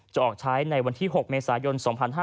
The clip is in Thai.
จะออกใช้ในวันที่๖เมษายน๒๕๕๙